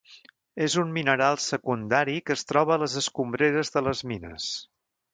És un mineral secundari que es troba a les escombreres de les mines.